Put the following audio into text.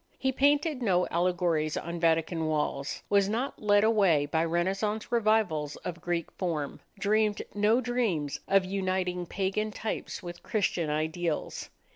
He painted no allegories on Vatican walls, was not led away by Renaissance revivals of Greek form, dreamed no dreams of uniting pagan types with Christian ideals.